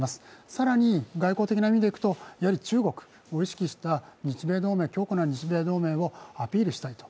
更に、外交的な意味で言うと、やはり中国を意識した強固な日米同盟をアピールしたいと。